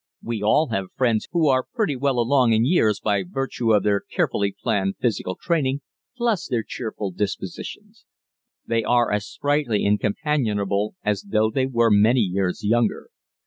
We all have friends who are pretty well along in years by virtue of their carefully planned physical training, plus their cheerful dispositions. They are as sprightly and companionable as though they were many years younger.